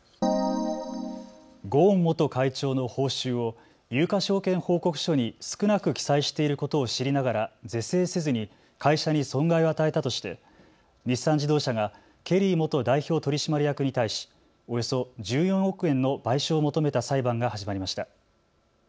ゴーン元会長の報酬を有価証券報告書に少なく記載していることを知りながら是正せずに会社に損害を与えたとして日産自動車がケリー元代表取締役に対し、およそ１４億円の賠償を求めた裁判が始まりました。